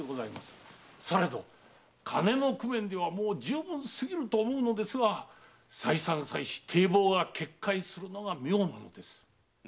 されど金の工面ではもう充分すぎると思うのですが再三再四堤防が決壊するのが妙なのです。